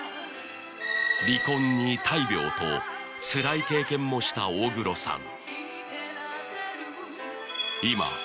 離婚に大病とつらい経験もした大黒さん